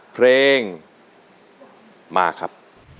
เพลงมาครับ